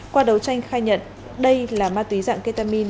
qua đấu tranh khai nhận đây là ma túy dạng ketamin